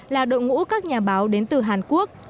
là đội ngũ các nhà báo đến từ hàn quốc